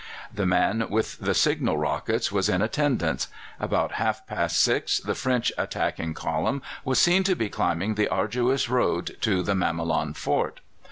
The man with the signal rockets was in attendance. About half past six the French attacking column was seen to be climbing the arduous road to the Mamelon fort.